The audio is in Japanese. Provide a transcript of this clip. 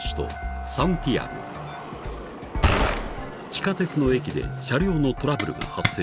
［地下鉄の駅で車両のトラブルが発生］